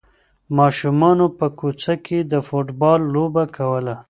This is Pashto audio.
ماشومانو په کوڅه کې د فوټبال لوبه کوله.